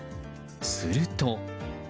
すると。